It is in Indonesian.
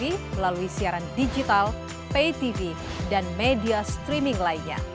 melalui siaran digital pay tv dan media streaming lainnya